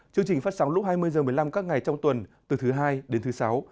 chương trình phát sóng lúc hai mươi h một mươi năm các ngày trong tuần từ thứ hai đến thứ sáu